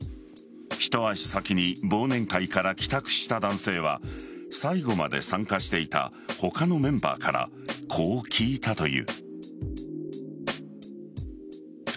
ひと足先に忘年会から帰宅した男性は最後まで参加していた他のメンバーからこう聞いたという。